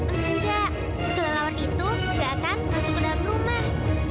enggak kelelawar itu gak akan masuk ke dalam rumah